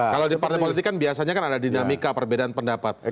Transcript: kalau di partai politik kan biasanya kan ada dinamika perbedaan pendapat